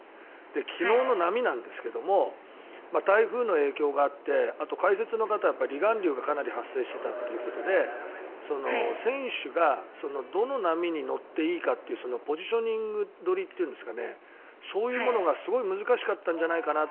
昨日の波なんですけども台風の影響もあってあと解説の方は、離岸流がかなり発生していたということで選手がどの波に乗っていいかというポジショニング取りというんですかねそういうものがすごい難しかったんじゃないかなと。